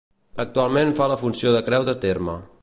Actualment fa la funció de creu de terme.